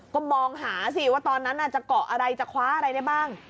ก็มองหาสิทธย์ว่าตอนนั้นจะกร่าวอะไรมันหนักอะไรได้บ้าง